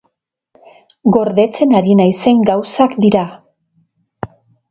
Gordetzen ari naizen gauzak dira.